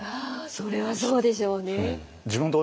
それはそうでしょうね。